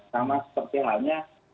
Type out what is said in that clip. sama seperti halnya